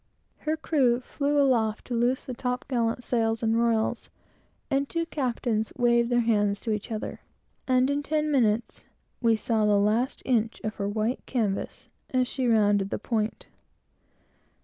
The crew flew aloft to loose the top gallant sails and royals; the two captains waved their hands to one another; and, in ten minutes, we saw the last inch of her white canvas, as she rounded the point.